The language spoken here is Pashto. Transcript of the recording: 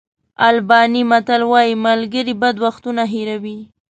آلباني متل وایي ملګري بد وختونه هېروي.